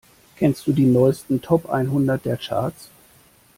Kennst du die neusten Top einhundert der Charts?